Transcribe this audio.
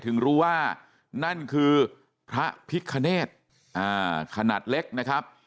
ถึงรู้ว่านั่นคือพระพิคเนธขนาดเล็กนะครับ